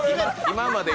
今までぃ